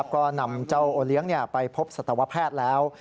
ก็นำเจ้าโอเลี้ยงไปพบสัตวแพทย์แล้ว